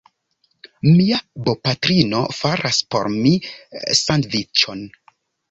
Mia bopatrino faras por mi sandviĉon.